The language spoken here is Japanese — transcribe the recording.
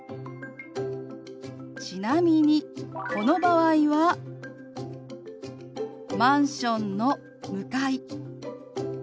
ちなみにこの場合は「マンションの向かい」。